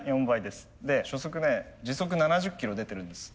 で初速ね時速７０キロ出てるんです。